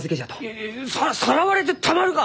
いやささらわれてたまるか！